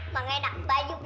harganya rp satu juta